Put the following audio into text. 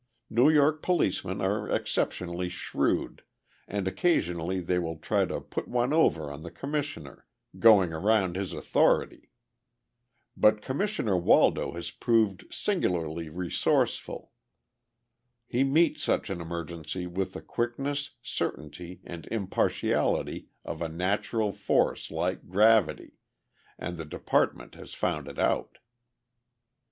New York policemen are exceptionally shrewd, and occasionally they will try to "put one over" on the Commissioner, going around his authority. But Commissioner Waldo has proved singularly resourceful. He meets such an emergency with the quickness, certainty and impartiality of a natural force like gravity, and the department has found it out.